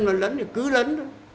mà lấn thì cứ lấn